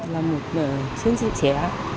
là một chiến sĩ trẻ